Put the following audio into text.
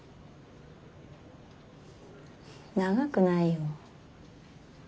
長くないよ。